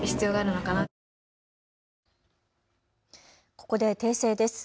ここで訂正です。